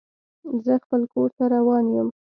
زه خپل کور ته روان یم.